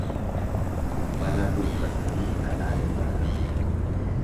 Mana dubra sadii dhadhaan hin barakatu.